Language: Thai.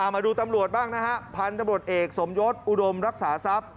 มาดูตำรวจบ้างนะฮะพันธุ์ตำรวจเอกสมยศอุดมรักษาทรัพย์